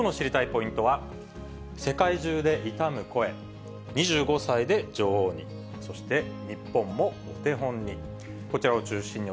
ポイントは、世界中で悼む声、２５歳で女王に、そして日本もお手本に。